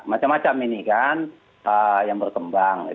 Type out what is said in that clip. macam macam ini kan yang berkembang